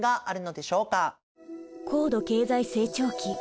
高度経済成長期。